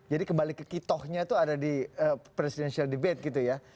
jadi kebalik ke kitohnya itu ada di presidensial debate gitu ya